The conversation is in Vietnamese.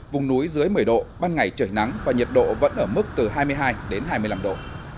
vùng núi dưới một mươi độ ban ngày trời nắng và nhiệt độ vẫn ở mức từ hai mươi hai đến hai mươi năm độ